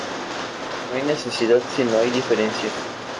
No hay necesidad si no hay diferencias.